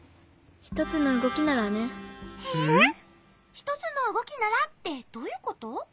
「ひとつのうごきなら」ってどういうこと？